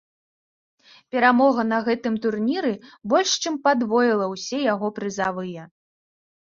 Перамога на гэтым турніры больш чым падвоіла ўсе яго прызавыя.